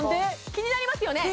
気になりますよね